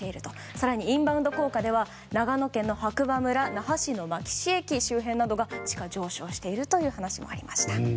更に、インバウンド効果では長野県の白馬村、那覇市でも地価上昇しているという話もありました。